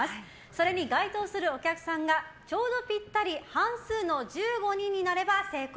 それに該当するお客さんがちょうどぴったり半数の１５人になれば成功。